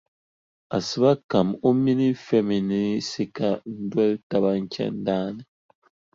Asiba kam o mini Femi ni Sika n-doli taba n-chani daa ni.